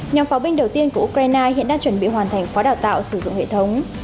nhóm pháo binh đầu tiên của ukraine hiện đang chuẩn bị hoàn thành khóa đào tạo sử dụng hệ thống